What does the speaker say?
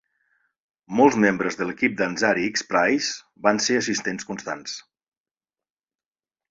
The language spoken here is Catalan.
Molts membres de l'equip d'Ansari X-Prize van ser assistents constants.